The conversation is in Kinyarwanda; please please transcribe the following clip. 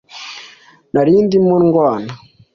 nari ndimo ndwana